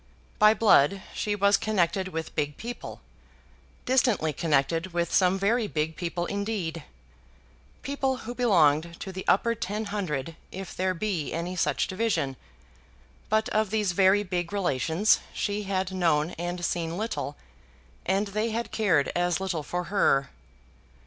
By blood she was connected with big people, distantly connected with some very big people indeed, people who belonged to the Upper Ten Hundred if there be any such division; but of these very big relations she had known and seen little, and they had cared as little for her.